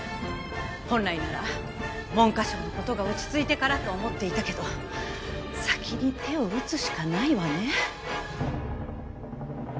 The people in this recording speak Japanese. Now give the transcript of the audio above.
本来なら文科省の事が落ち着いてからと思っていたけど先に手を打つしかないわね。